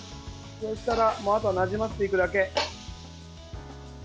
そうしたら、もうあとはなじませていくだけ。